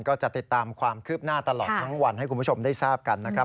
ก็จะติดตามความคืบหน้าตลอดทั้งวันให้คุณผู้ชมได้ทราบกันนะครับ